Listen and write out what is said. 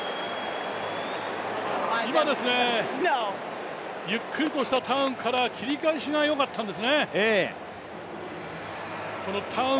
今、ゆっくりとしたターンから切り返しがよかったんですね。